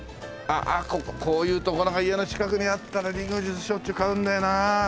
ああこういう所が家の近くにあったらリンゴジュースしょっちゅう買うんだよな。